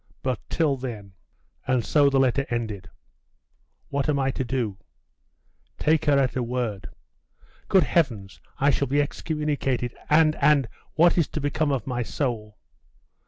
But till then ' And so the letter ended. 'What am I to do?' 'Take her at her word.' 'Good heavens! I shall be excommunicated! And and what is to become of my soul?